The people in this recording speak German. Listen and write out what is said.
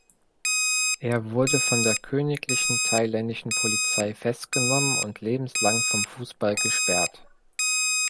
Er wurde von der königlichen thailändischen Polizei festgenommen und lebenslang vom Fußball gesperrt.